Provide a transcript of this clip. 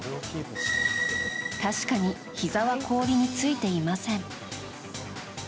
確かに、ひざが氷についていません。